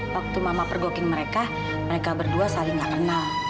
mungkin mereka berdua saling nggak kenal